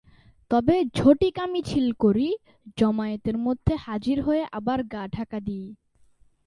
তবে ঝটিকা মিছিল করি, জমায়েতের মধ্যে হাজির হয়ে আবার গা-ঢাকা দিই।